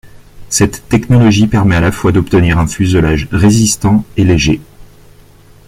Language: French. Cette technologie permet à la fois d'obtenir un fuselage résistant et léger.